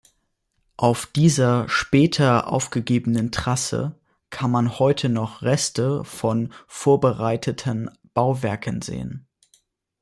Auf dieser später aufgegebenen Trasse kann man heute noch Reste von vorbereiteten Bauwerken sehen.